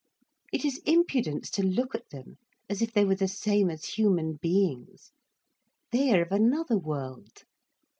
It is impudence to look at them as if they were the same as human beings. They are of another world.